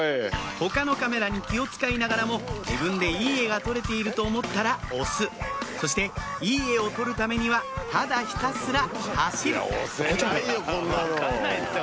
他のカメラに気を使いながらも自分でいい画が撮れていると思ったら押すそしていい画を撮るためにはただひたすら走る押せないよ